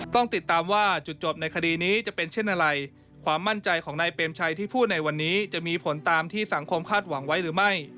ต้องติดตามว่าจุดจบในคดีนี้จะเป็นเช่นอะไรความมั่นใจของนายเปรมชัยที่พูดในวันนี้จะมีผลตามที่สังคมคาดหวังไว้หรือไม่